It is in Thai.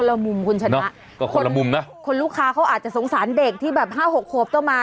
เราไม่ได้ไปจับเด็กที่ไหนมา